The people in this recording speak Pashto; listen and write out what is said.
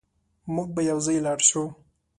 موږ به يوځای لاړ شو